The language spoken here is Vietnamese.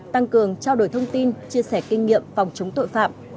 tăng cường trao đổi thông tin chia sẻ kinh nghiệm phòng chống tội phạm